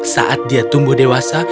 saat dia tumbuh dewasa